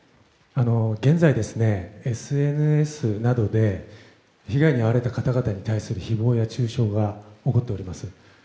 現在、ＳＮＳなどで被害に遭われた方々に対する誹謗や中傷が起こっております。